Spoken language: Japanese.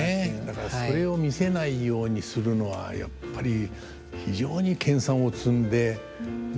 だからそれを見せないようにするのはやっぱり非常に研鑽を積んでやらないと。